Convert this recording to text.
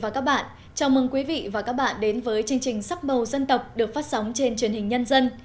chào mừng quý vị và các bạn đến với chương trình sắc màu dân tộc được phát sóng trên truyền hình nhân dân